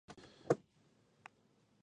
د ملي احساساتو او جذباتو په رپ کې.